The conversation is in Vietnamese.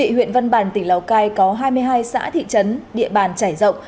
huyện văn bàn tỉnh lào cai có hai mươi hai xã thị trấn địa bàn trải rộng